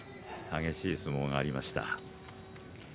激しい相撲がありました。